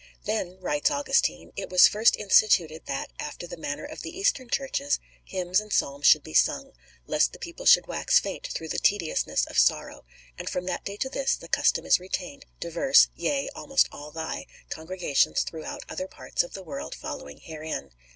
"Then," writes Augustine, "it was first instituted that, after the manner of the Eastern churches, hymns and psalms should be sung, lest the people should wax faint through the tediousness of sorrow; and from that day to this the custom is retained, divers (yea, almost all Thy) congregations throughout other parts of the world following herein."